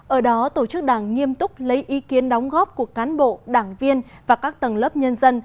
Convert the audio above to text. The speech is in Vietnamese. ở đó tổ chức đảng nghiêm túc lấy ý kiến đóng góp của cán bộ đảng viên và các tầng lớp nhân dân